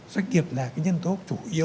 doanh nghiệp là nhân tố chủ yếu trong việc đón